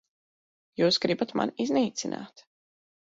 Jūs gribat mani iznīcināt.